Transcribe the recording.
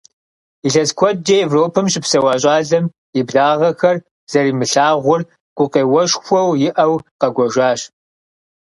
Илъэс куэдкӀэ Европэм щыпсэуа щӏалэм, и благъэхэр зэримылъагъур гукъеуэшхуэу иӀэу, къэкӀуэжащ.